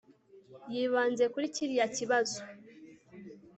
Yibanze kuri kiriya kibazo